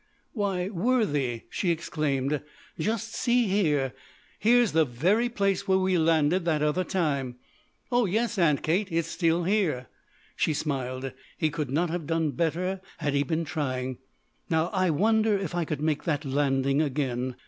"Why, Worthie," she exclaimed, "just see here! Here's the very place where we landed that other time." "Oh yes, Aunt Kate it's still here." She smiled; he could not have done better had he been trying. "Now I wonder if I could make that landing again.